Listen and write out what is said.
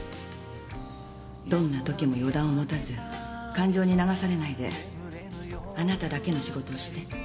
どんな時も予断を持たず感情に流されないであなただけの仕事をして。